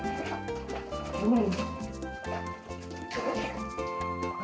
nyak bawel banget dah